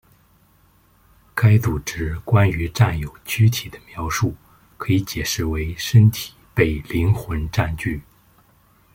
该组织关于占有躯体的描述可以解释为身体被灵魂占据。